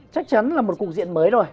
chắc chắn là một cục diện mới rồi